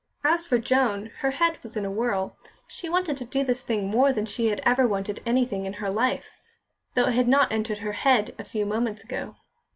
As for Joan, her head was in a whirl. She wanted to do this thing more than she had ever wanted anything in her life, though it had not entered her head a few moments ago.